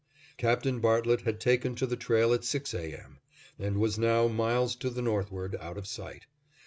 Captain Bartlett had taken to the trail at six A. M., and was now miles to the northward, out of sight.